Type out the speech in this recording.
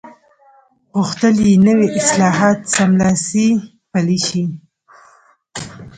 غوښتل یې نوي اصلاحات سملاسي پلي شي.